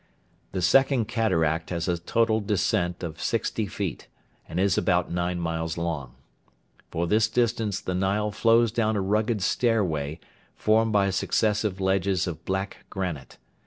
The Second Cataract has a total descent of sixty feet, and is about nine miles long. For this distance the Nile flows down a rugged stairway formed by successive ledges of black granite.